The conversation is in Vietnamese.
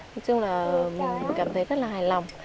nói chung là mình cảm thấy rất là hài lòng